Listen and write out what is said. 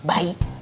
gak apa apa takut